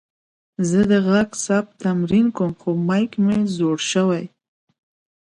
زه د غږ ثبت تمرین کوم، خو میک مې زوړ شوې.